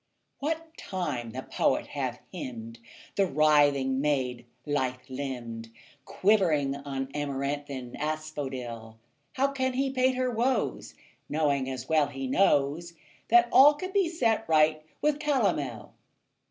What time the poet hath hymned The writhing maid, lithe limbed, Quivering on amaranthine asphodel, How can he paint her woes, Knowing, as well he knows, That all can be set right with calomel?